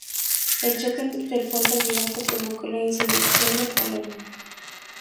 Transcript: El choque en el puente del Almirante provocó la insurrección de Palermo.